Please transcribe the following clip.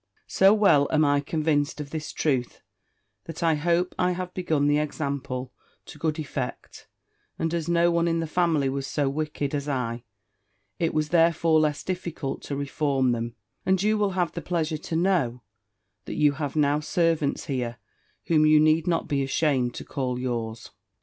"So well am I convinced of this truth, that I hope I have begun the example to good effect: and as no one in the family was so wicked as I, it was therefore less difficult to reform them; and you will have the pleasure to know, that you have now servants here, whom you need not be ashamed to call yours.